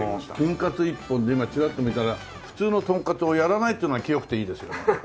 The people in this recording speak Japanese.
金カツ１本で今ちらっと見たら普通のトンカツをやらないっていうのは清くていいですよ。